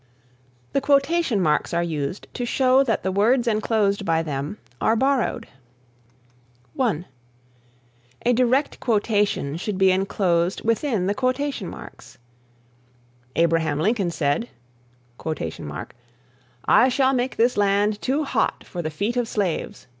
The Quotation marks are used to show that the words enclosed by them are borrowed. (1) A direct quotation should be enclosed within the quotation marks: Abraham Lincoln said, "I shall make this land too hot for the feet of slaves."